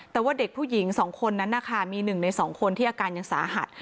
แต่ว่าเด็กผู้หญิง๒คนนั้นนะคะมี๑ใน๒คนที่อาการยังสาหัส